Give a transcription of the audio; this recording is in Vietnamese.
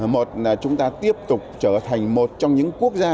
một là chúng ta tiếp tục trở thành một trong những quốc gia